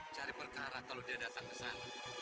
cari perkara kalau dia datang ke sana